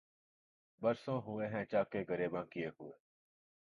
برسوں ہوئے ہیں چاکِ گریباں کئے ہوئے